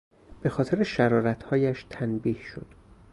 به خاطر شرارتهایش تنبیه شد.